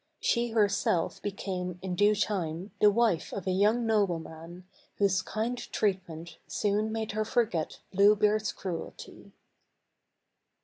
She herself be came, in due time, the wife of a young nobleman, whose kind treatment soon made her forget Blue Beard's cruelty.